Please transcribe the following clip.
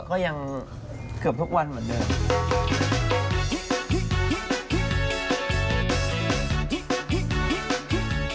เหมือนอย่างเขียวทุกที่วันเหมือนเดิม